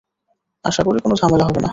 আশা করি কোনো ঝামেলা হবে না।